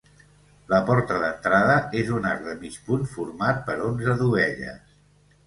La porta d'entrada és un arc de mig punt format per onze dovelles.